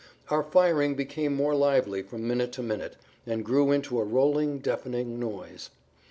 Our firing became more lively from minute to minute, and grew into a rolling deafening noise.